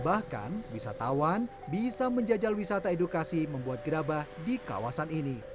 bahkan wisatawan bisa menjajal wisata edukasi membuat gerabah di kawasan ini